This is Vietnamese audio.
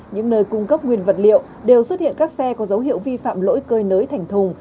những nơi cung cấp nguyên vật liệu đều xuất hiện các xe có dấu hiệu vi phạm lỗi cơi nới thành thùng